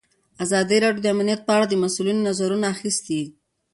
ازادي راډیو د امنیت په اړه د مسؤلینو نظرونه اخیستي.